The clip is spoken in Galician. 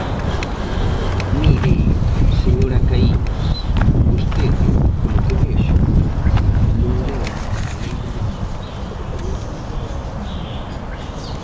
Mire, señora Caíñas, vostede, polo que vexo, non leu a Lei de medidas.